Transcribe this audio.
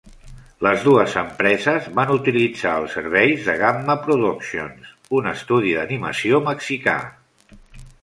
Les dues empreses van utilitzar els serveis de Gamma Productions, un estudi d'animació mexicà.